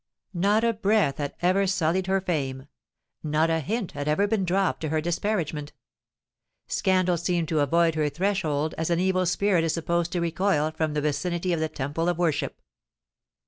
Not a breath had ever sullied her fame;—not a hint had ever been dropped to her disparagement. Scandal seemed to avoid her threshold as an evil spirit is supposed to recoil from the vicinity of the temple of worship.